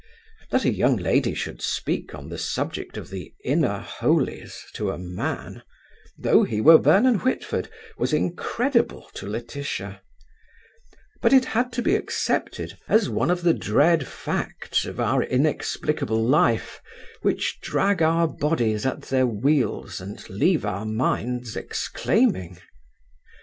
That a young lady should speak on the subject of the inner holies to a man, though he were Vernon Whitford, was incredible to Laetitia; but it had to be accepted as one of the dread facts of our inexplicable life, which drag our bodies at their wheels and leave our minds exclaiming.